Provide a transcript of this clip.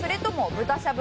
豚しゃぶ。